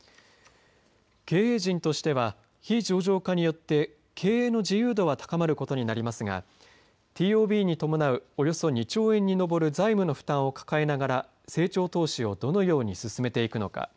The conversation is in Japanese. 経営陣としては非上場化によって経営の自由度は高まることになりますがＴＯＢに伴う、およそ２兆円に上る債務の負担を抱えながら成長投資をどのように進めていくのか。